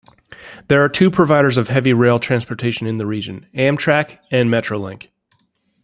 There are two providers of heavy rail transportation in the region, Amtrak and Metrolink.